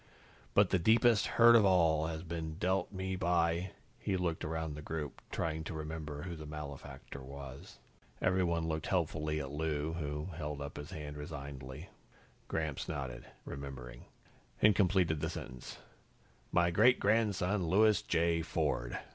"But the deepest hurt of all has been dealt me by " He looked around the group, trying to remember who the malefactor was. Everyone looked helpfully at Lou, who held up his hand resignedly. Gramps nodded, remembering, and completed the sentence "my great grandson, Louis J. Ford."